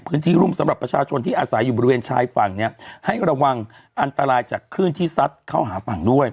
รุ่มสำหรับประชาชนที่อาศัยอยู่บริเวณชายฝั่งเนี่ยให้ระวังอันตรายจากคลื่นที่ซัดเข้าหาฝั่งด้วย